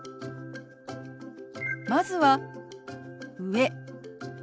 まずは「上」。